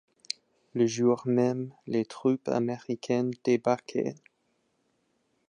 Le jour même, les troupes américaines débarquaient.